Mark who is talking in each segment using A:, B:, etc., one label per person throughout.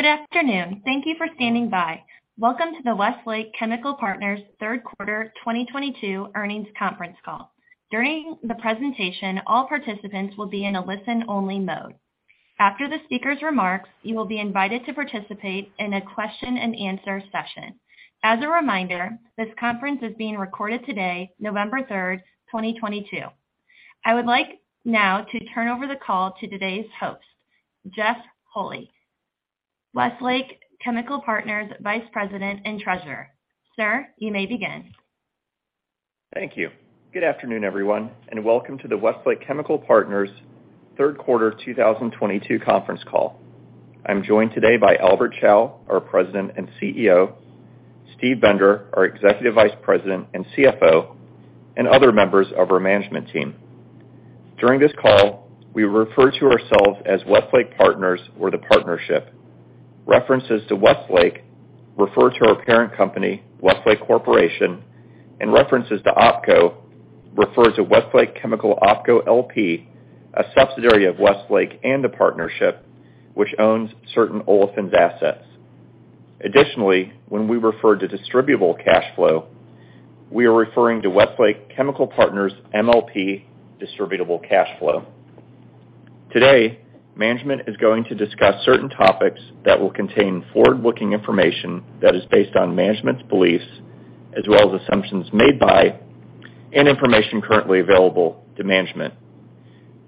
A: Good afternoon. Thank you for standing by. Welcome to the Westlake Chemical Partners Q3 2022 earnings conference call. During the presentation, all participants will be in a listen only mode. After the speaker's remarks, you will be invited to participate in a question and answer session. As a reminder, this conference is being recorded today, November 3rd, 2022. I would like now to turn over the call to today's host, Jeff Holy, Westlake Chemical Partners Vice President and Treasurer. Sir, you may begin.
B: Thank you. Good afternoon, everyone, and welcome to the Westlake Chemical Partners Q3 2022 conference call. I'm joined today by Albert Chao, our President and CEO, Steve Bender, our Executive Vice President and CFO, and other members of our management team. During this call, we refer to ourselves as Westlake Partners or the Partnership. References to Westlake refer to our parent company, Westlake Corporation, and references to OpCo refers to Westlake Chemical OpCo LP, a subsidiary of Westlake and a partnership which owns certain olefins assets. Additionally, when we refer to distributable cash flow, we are referring to Westlake Chemical Partners MLP distributable cash flow. Today, management is going to discuss certain topics that will contain forward-looking information that is based on management's beliefs as well as assumptions made by and information currently available to management.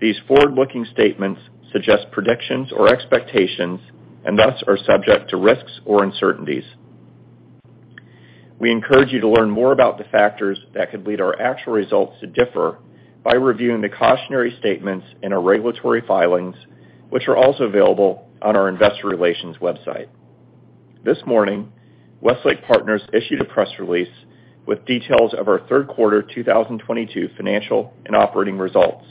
B: These forward-looking statements suggest predictions or expectations and thus are subject to risks or uncertainties. We encourage you to learn more about the factors that could lead our actual results to differ by reviewing the cautionary statements in our regulatory filings, which are also available on our investor relations website. This morning, Westlake Partners issued a press release with details of our Q3 2022 financial and operating results.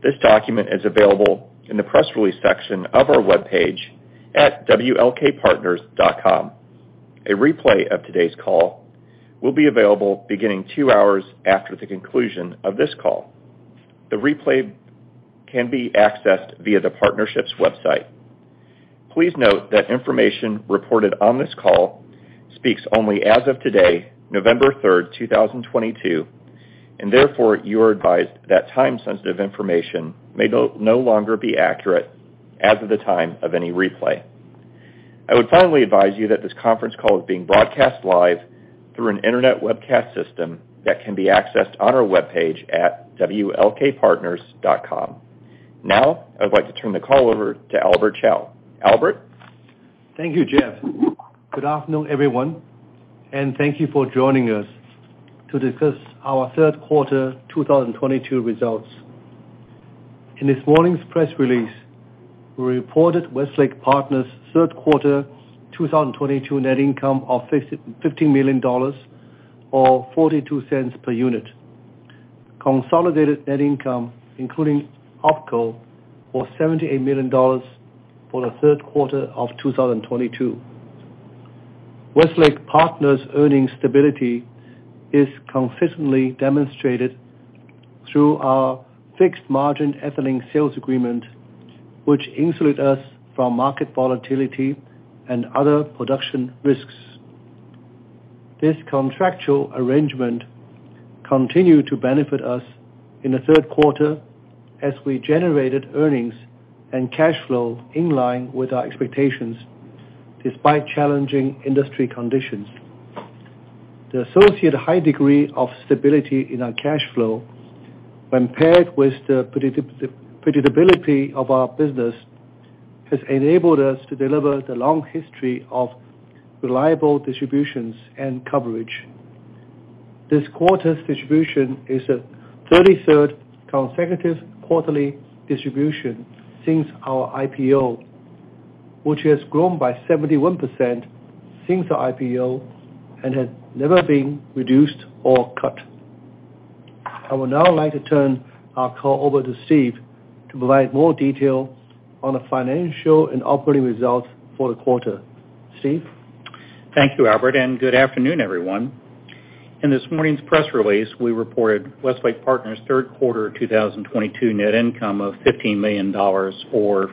B: This document is available in the press release section of our webpage at wlkpartners.com. A replay of today's call will be available beginning two hours after the conclusion of this call. The replay can be accessed via the partnership's website. Please note that information reported on this call speaks only as of today, November 3rd, 2022, and therefore you are advised that time-sensitive information may no longer be accurate as of the time of any replay. I would finally advise you that this conference call is being broadcast live through an internet webcast system that can be accessed on our webpage at wlkpartners.com. Now, I'd like to turn the call over to Albert Chao. Albert.
C: Thank you, Jeff. Good afternoon, everyone, and thank you for joining us to discuss our Q3 2022 results. In this morning's press release, we reported Westlake Partners' Q3 2022 net income of $15 million or $0.42 per unit. Consolidated net income, including OpCo, was $78 million for the Q3 of 2022. Westlake Partners' earnings stability is consistently demonstrated through our fixed margin ethylene sales agreement, which insulate us from market volatility and other production risks. This contractual arrangement continued to benefit us in the Q3 as we generated earnings and cash flow in line with our expectations despite challenging industry conditions. The associated high degree of stability in our cash flow, when paired with the predictability of our business, has enabled us to deliver the long history of reliable distributions and coverage. This quarter's distribution is the 33rd consecutive quarterly distribution since our IPO, which has grown by 71% since the IPO and has never been reduced or cut. I would now like to turn our call over to Steve to provide more detail on the financial and operating results for the quarter. Steve.
D: Thank you, Albert, and good afternoon, everyone. In this morning's press release, we reported Westlake Partners' Q3 2022 net income of $15 million or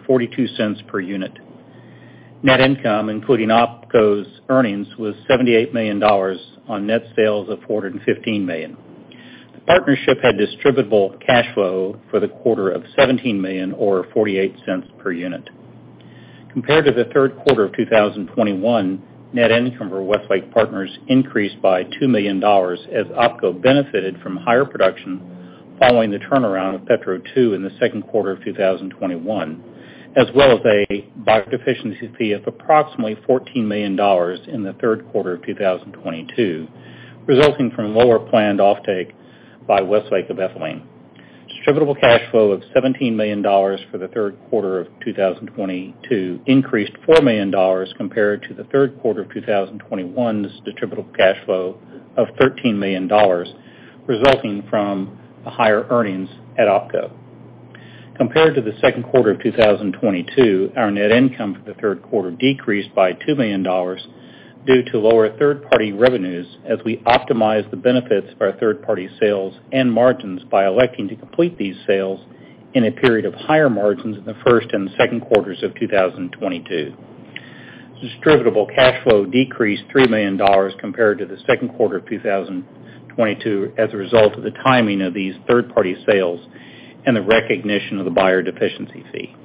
D: $0.42 per unit. Net income, including OpCo's earnings, was $78 million on net sales of $415 million. The partnership had distributable cash flow for the quarter of $17 million or $0.48 per unit. Compared to the Q3 of 2021, net income for Westlake Partners increased by $2 million as OpCo benefited from higher production following the turnaround of Petro 2 in the Q2 of 2021, as well as a deficiency fee of approximately $14 million in the Q3 of 2022, resulting from lower planned offtake by Westlake of ethylene. Distributable cash flow of $17 million for the Q3 of 2022 increased $4 million compared to the Q3 of 2021's distributable cash flow of $13 million, resulting from the higher earnings at OpCo. Compared to the Q2 of 2022, our net income for the Q3 decreased by $2 million. Due to lower third-party revenues as we optimize the benefits of our third-party sales and margins by electing to complete these sales in a period of higher margins in the Q1 and Q2 of 2022. Distributable cash flow decreased $3 million compared to the Q2 of 2022 as a result of the timing of these third-party sales and the recognition of the buyer deficiency fee.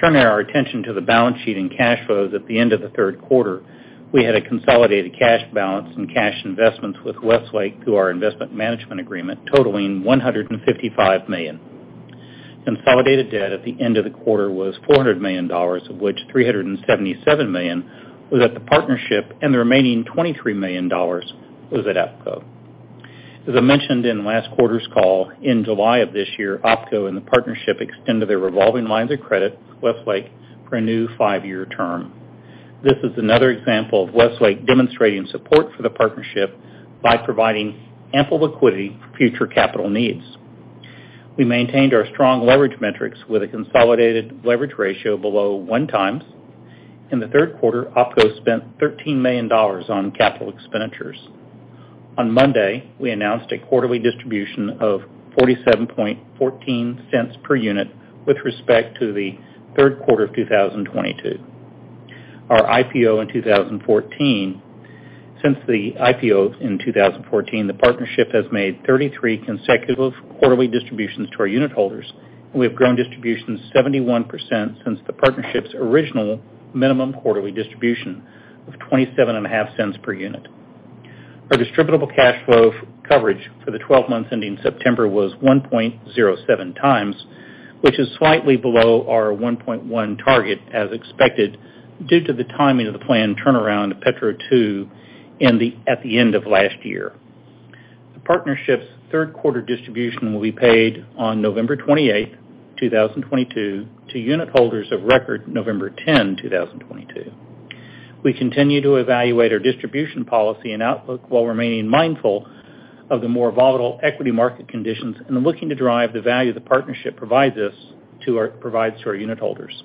D: Turning our attention to the balance sheet and cash flows at the end of the Q3, we had a consolidated cash balance and cash investments with Westlake through our Investment Management Agreement totaling $155 million. Consolidated debt at the end of the quarter was $400 million, of which $377 million was at the partnership and the remaining $23 million was at OpCo. As I mentioned in last quarter's call, in July of this year, OpCo and the partnership extended their revolving lines of credit with Westlake for a new five-year term. This is another example of Westlake demonstrating support for the partnership by providing ample liquidity for future capital needs. We maintained our strong leverage metrics with a consolidated leverage ratio below 1x. In the Q3, OpCo spent $13 million on capital expenditures. On Monday, we announced a quarterly distribution of $0.4714 per unit with respect to the Q3 of 2022. Since the IPO in 2014, the partnership has made 33 consecutive quarterly distributions to our unit holders, and we have grown distributions 71% since the partnership's original minimum quarterly distribution of $0.275 per unit. Our distributable cash flow coverage for the twelve months ending September was 1.07x, which is slightly below our 1.1 target as expected due to the timing of the planned turnaround of Petro 2 at the end of last year. The partnership's Q3 distribution will be paid on November 28, 2022 to unit holders of record November 10, 2022. We continue to evaluate our distribution policy and outlook while remaining mindful of the more volatile equity market conditions and looking to drive the value the partnership provides to our unit holders.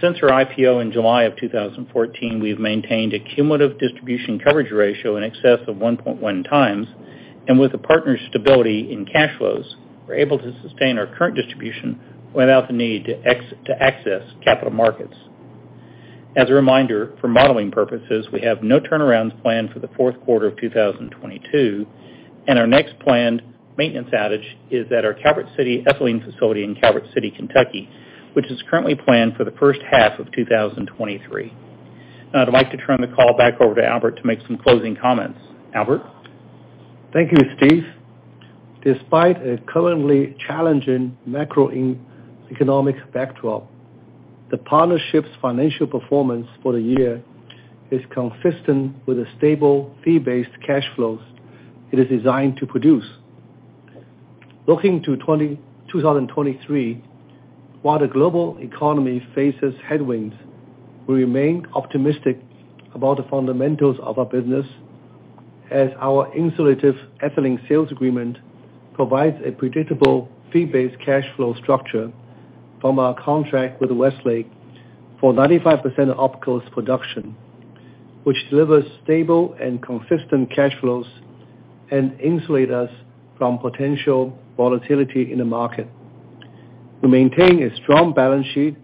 D: Since our IPO in July of 2014, we've maintained a cumulative distribution coverage ratio in excess of 1.1x. With the partner stability in cash flows, we're able to sustain our current distribution without the need to access capital markets. As a reminder, for modeling purposes, we have no turnarounds planned for the Q4 of 2022, and our next planned maintenance outage is at our Calvert City ethylene facility in Calvert City, Kentucky, which is currently planned for the H1 of 2023. Now I'd like to turn the call back over to Albert to make some closing comments. Albert?
C: Thank you, Steve. Despite a currently challenging macroeconomic backdrop, the partnership's financial performance for the year is consistent with the stable fee-based cash flows it is designed to produce. Looking to 2023, while the global economy faces headwinds, we remain optimistic about the fundamentals of our business as our insulated ethylene sales agreement provides a predictable fee-based cash flow structure from our contract with Westlake for 95% of OpCo's production, which delivers stable and consistent cash flows and insulate us from potential volatility in the market. We maintain a strong balance sheet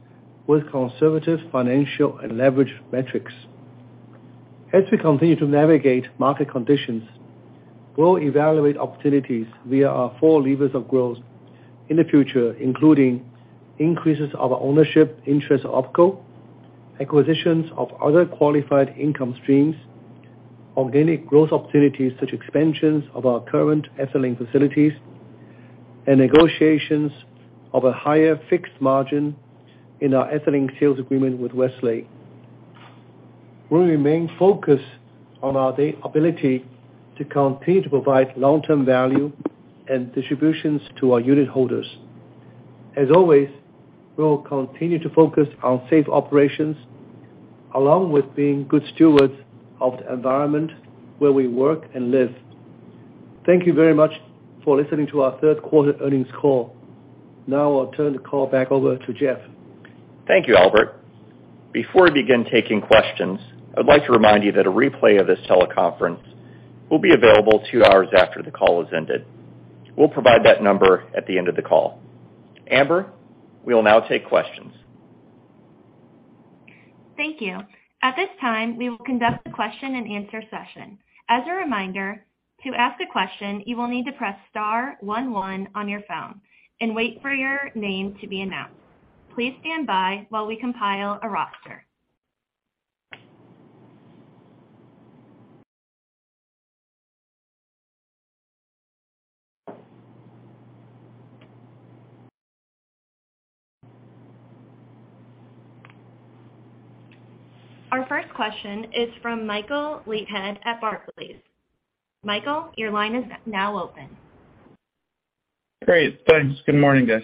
C: with conservative financial and leverage metrics. As we continue to navigate market conditions, we'll evaluate opportunities via our four levers of growth in the future, including increases of our ownership interest of OpCo, acquisitions of other qualified income streams, organic growth opportunities such expansions of our current ethylene facilities, and negotiations of a higher fixed margin in our Ethylene Sales Agreement with Westlake. We remain focused on our ability to continue to provide long-term value and distributions to our unit holders. As always, we'll continue to focus on safe operations along with being good stewards of the environment where we work and live. Thank you very much for listening to our Q3 earnings call. Now I'll turn the call back over to Jeff.
B: Thank you, Albert. Before we begin taking questions, I'd like to remind you that a replay of this teleconference will be available two hours after the call has ended. We'll provide that number at the end of the call. Amber, we'll now take questions.
A: Thank you. At this time, we will conduct the question-and-answer session. As a reminder, to ask a question, you will need to press star one one on your phone and wait for your name to be announced. Please stand by while we compile a roster. Our first question is from Michael Leithead at Barclays. Michael, your line is now open.
E: Great. Thanks. Good morning, guys.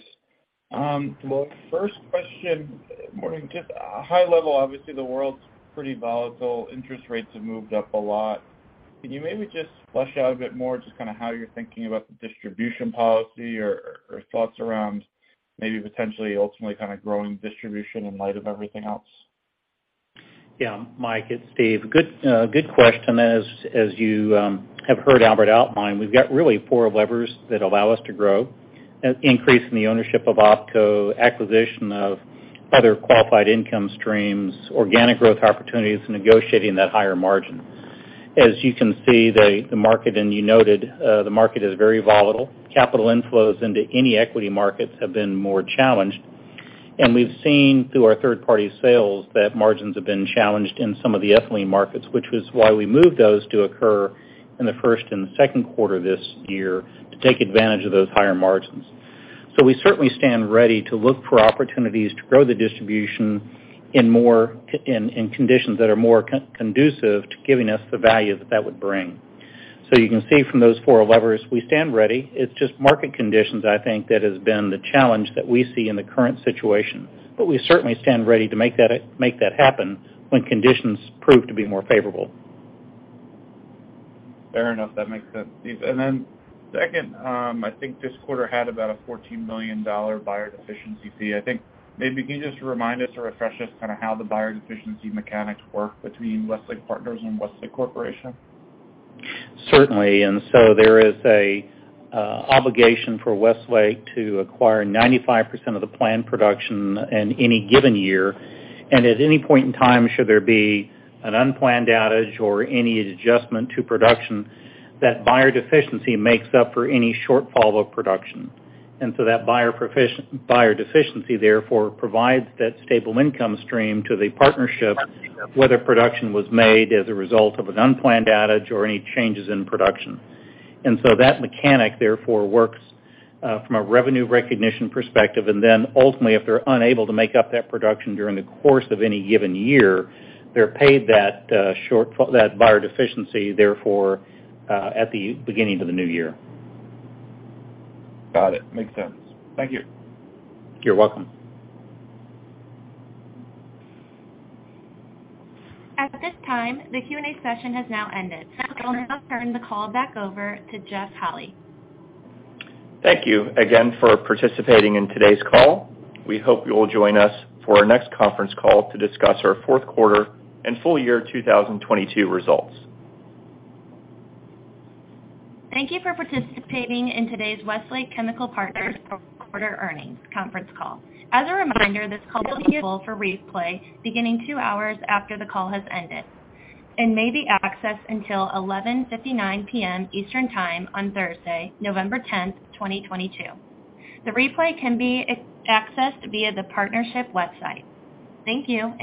E: Well, first question, morning, just high level, obviously, the world's pretty volatile. Interest rates have moved up a lot. Can you maybe just flesh out a bit more just kind of how you're thinking about the distribution policy or thoughts around maybe potentially ultimately kind of growing distribution in light of everything else?
D: Yeah, Mike, it's Steve. Good question. As you have heard Albert outline, we've got really four levers that allow us to grow. An increase in the ownership of OpCo, acquisition of other qualifying income streams, organic growth opportunities, negotiating that higher margin. As you can see, the market, and you noted, the market is very volatile. Capital inflows into any equity markets have been more challenged. We've seen through our third-party sales that margins have been challenged in some of the ethylene markets, which was why we moved those to occur in the Q1 and the Q2 this year to take advantage of those higher margins. We certainly stand ready to look for opportunities to grow the distribution in more in conditions that are more conducive to giving us the value that that would bring. You can see from those four levers, we stand ready. It's just market conditions, I think, that has been the challenge that we see in the current situation. We certainly stand ready to make that happen when conditions prove to be more favorable.
E: Fair enough. That makes sense, Steve. Second, I think this quarter had about a $14 million buyer deficiency fee. I think maybe can you just remind us or refresh us kind of how the buyer deficiency mechanics work between Westlake Partners and Westlake Corporation?
D: Certainly. There is an obligation for Westlake to acquire 95% of the planned production in any given year. At any point in time, should there be an unplanned outage or any adjustment to production, that buyer deficiency makes up for any shortfall of production. That buyer deficiency therefore provides that stable income stream to the partnership, whether production was made as a result of an unplanned outage or any changes in production. That mechanism therefore works from a revenue recognition perspective. Ultimately, if they're unable to make up that production during the course of any given year, they're paid that shortfall, that buyer deficiency therefore at the beginning of the new year.
E: Got it. Makes sense. Thank you.
D: You're welcome.
A: At this time, the Q&A session has now ended. I'll now turn the call back over to Jeff Holy.
B: Thank you again for participating in today's call. We hope you will join us for our next conference call to discuss our Q4 and full year 2022 results.
A: Thank you for participating in today's Westlake Chemical Partners Q3 earnings conference call. As a reminder, this call will be available for replay beginning two hours after the call has ended and may be accessed until 11:59PM. Eastern Time on Thursday, November 10th, 2022. The replay can be accessed via the partnership website. Thank you.